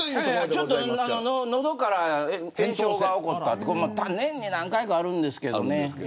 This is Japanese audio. ちょっと喉から炎症が起きて年に何回かあるんですけどね。